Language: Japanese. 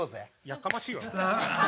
やかましいわ。